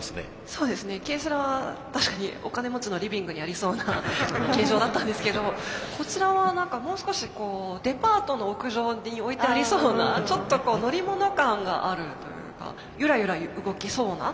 そうですねＫセラは確かにお金持ちのリビングにありそうな形状だったんですけどもこちらは何かもう少しデパートの屋上に置いてありそうなちょっと乗り物感があるというかゆらゆら動きそうな形をしてますね。